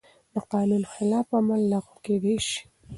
د قانون خلاف عمل لغوه کېدای شي.